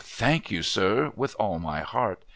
Thank you, sir, with all my heart !